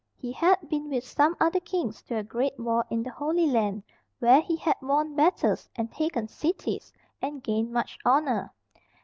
He had been with some other kings to a great war in the Holy Land, where he had won battles, and taken cities, and gained much honour.